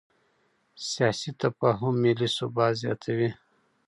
سیاسي تفاهم ملي ثبات زیاتوي